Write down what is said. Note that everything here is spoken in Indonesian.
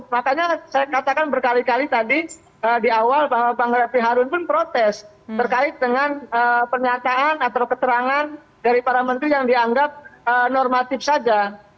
makanya saya katakan berkali kali tadi di awal bahwa bang refli harun pun protes terkait dengan pernyataan atau keterangan dari para menteri yang dianggap normatif saja